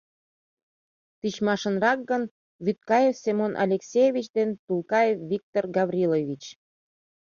Тичмашынрак гын, Вӱдкаев Семон Алексеевич ден Тулкаев Виктыр Гаврилович.